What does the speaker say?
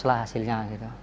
itu adalah hasilnya